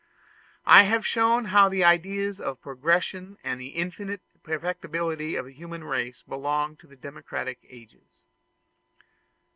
I have shown how the ideas of progression and of the indefinite perfectibility of the human race belong to democratic ages.